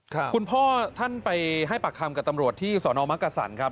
คุณพ่อท่านไปให้ปากคำกับตำรวจที่สอนอมักกษันครับ